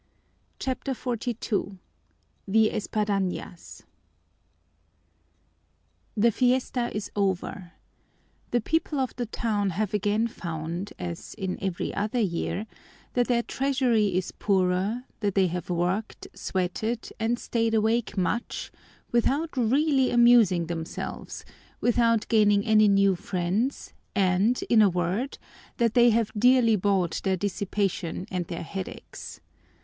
CHAPTER XLII The Espadañas The fiesta is over. The people of the town have again found, as in every other year, that their treasury is poorer, that they have worked, sweated, and stayed awake much without really amusing themselves, without gaining any new friends, and, in a word, that they have dearly bought their dissipation and their headaches.